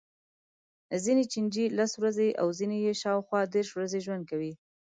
ځینې چینجي لس ورځې او ځینې یې شاوخوا دېرش ورځې ژوند کوي.